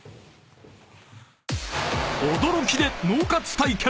［驚きで脳活体験！］